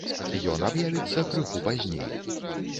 Ён аб'явіцца крыху пазней.